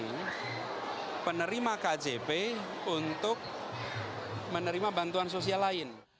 jadi penerima kjp untuk menerima bantuan sosial lain